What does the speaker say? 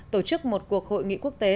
tổ chức một cuộc hội nghị quốc tế